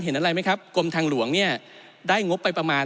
ที่เราจะต้องลดความเหลื่อมล้ำโดยการแก้ปัญหาเชิงโครงสร้างของงบประมาณ